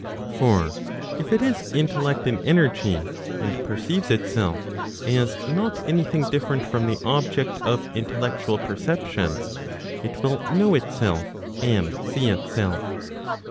For if it is intellect in energy, and perceives itself as not any thing different from the object of intellectual perception, it will know itself, and see itself.